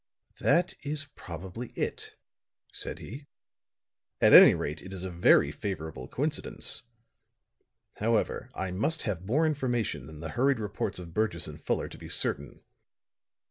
"That is probably it," said he. "At any rate it is a very favorable coincidence. However, I must have more information than the hurried reports of Burgess and Fuller to be certain.